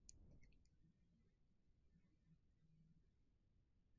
Тачысе жаплан кресаньыкет кодын огыл, манмыла, тудым тӱҥге-вожге куклен луктын кышкеныт.